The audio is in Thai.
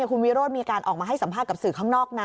คุณวิโรธมีการออกมาให้สัมภาษณ์กับสื่อข้างนอกนะ